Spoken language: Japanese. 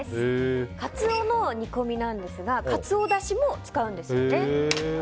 カツオの煮込みなんですがカツオだしも使うんですよね。